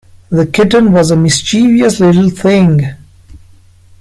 The kitten was a mischievous little thing.